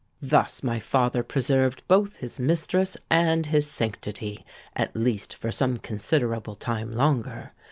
"Thus my father preserved both his mistress and his sanctity—at least for some considerable time longer.